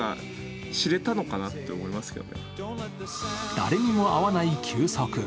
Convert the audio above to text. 誰にも会わない休息。